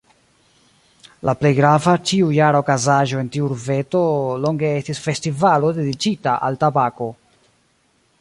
La plej grava, ĉiujara okazaĵo en tiu urbeto longe estis festivalo dediĉita al tabako.